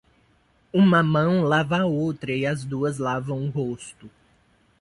Uma mão lava a outra e as duas lavam o rosto.